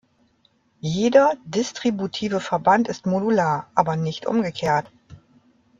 Jeder distributive Verband ist modular, aber nicht umgekehrt.